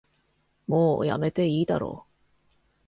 もうやめていいだろ